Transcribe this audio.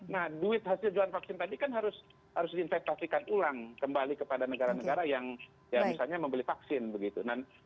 nah duit hasil jualan vaksin tadi kan harus diinvestasikan ulang kembali kepada negara negara yang ya misalnya membeli vaksin begitu